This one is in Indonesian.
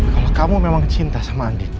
kalau kamu memang cinta sama andi